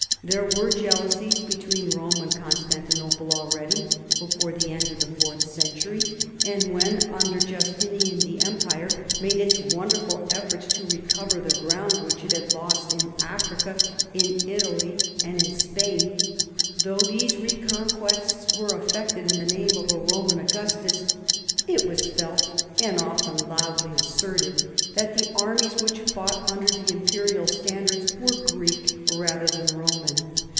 There were jealousies between Rome and Constanti nople already before the end of the fourth centurv, and when under Justinian the Empire made its won derful efforts to recover the ground which it had lost in Africa, in Italy, and in Spain, f though these reconquests were effected in the name of a Roman Augustus, it was felt, and often loudly asserted, that the armies which fought under the imperial standards were Greek rather than Roman.